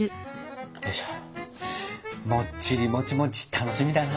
もっちりもちもち楽しみだな！